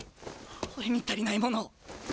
俺に足りないものを。